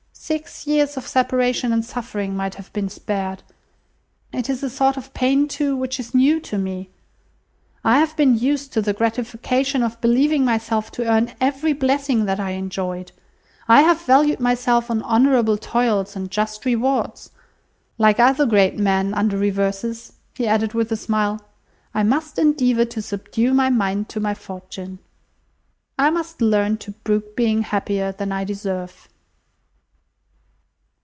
Six years of separation and suffering might have been spared. It is a sort of pain, too, which is new to me. I have been used to the gratification of believing myself to earn every blessing that I enjoyed. I have valued myself on honourable toils and just rewards. Like other great men under reverses," he added, with a smile. "I must endeavour to subdue my mind to my fortune. I must learn to brook being happier than I deserve."